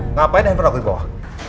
ngapain handphone aku di bawah